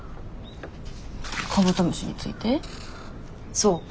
そう。